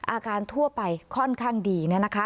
อาการทั่วไปค่อนข้างดีนะคะ